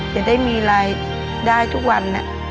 จะได้มีรายได้ทุกวัน